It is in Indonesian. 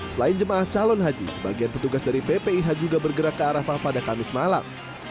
selain jemaah calon haji sebagian petugas dari ppih juga bergerak ke arafah pada kamis malam